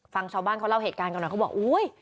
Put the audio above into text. ฟังชาวบ้านเขาเล่าเหตุการณ์กันหน่อยเขาบอกอุ้ย